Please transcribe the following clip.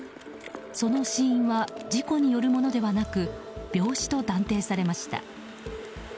その死因は事故によるものではなく病死と断定されました。